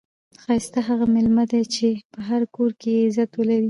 ښایسته هغه میلمه دئ، چي په هر کور کښي عزت ولري.